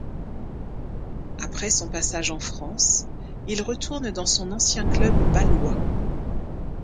Après son passage en France il retourne dans son ancien club bâlois.